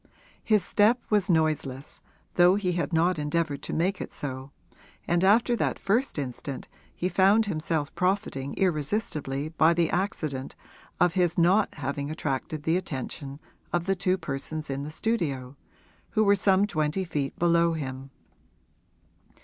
His step was noiseless, though he had not endeavoured to make it so, and after that first instant he found himself profiting irresistibly by the accident of his not having attracted the attention of the two persons in the studio, who were some twenty feet below him.